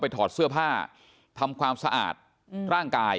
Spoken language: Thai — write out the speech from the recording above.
แล้วก็ช่วยกันนำนายธีรวรรษส่งโรงพยาบาล